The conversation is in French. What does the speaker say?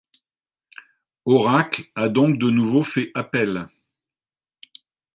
Oracle à donc de nouveau fait appel.